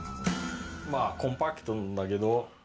まぁコンパクトだけど。